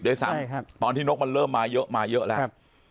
ด้วยซ้ำใช่ครับตอนที่โรคมันเริ่มมาเยอะมาเยอะแล้วครับ